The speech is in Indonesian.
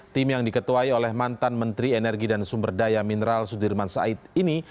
tim yang diketuai oleh mantan menteri energi dan sumber daya mineral sudirman said ini